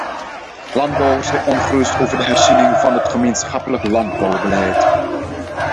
Landbouwers zijn ongerust over de herziening van het gemeenschappelijk landbouwbeleid.